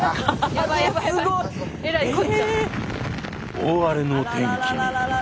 大荒れの天気に。